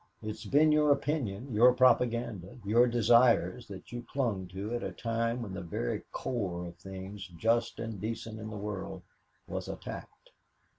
It has been your opinion, your propaganda, your desires, that you clung to at a time when the very core of things just and decent in the world was attacked.